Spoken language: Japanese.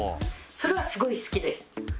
それはすごい好きです。